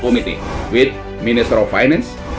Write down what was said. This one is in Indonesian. kami juga bersama dengan minister finansi